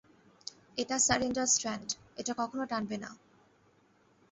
এটা surrender strand, এটা কখনও টানবে না।